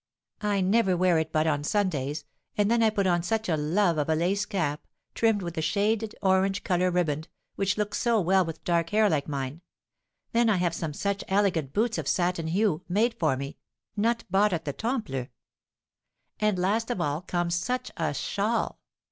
I never wear it but on Sundays, and then I put on such a love of a lace cap, trimmed with shaded orange colour riband, which looks so well with dark hair like mine; then I have some such elegant boots of satin hue, made for me, not bought at the Temple! And last of all comes such a shawl!